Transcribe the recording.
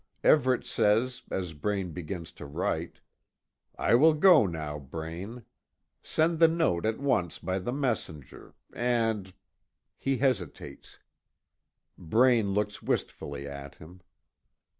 Everet says as Braine begins to write: "I will go now, Braine. Send the note at once by the messenger and " He hesitates. Braine looks wistfully at him.